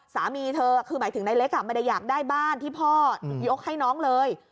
สามีเธอคือหมายถึงนายเล็กไม่ได้อยากได้บ้านที่พ่อยกให้น้องเลย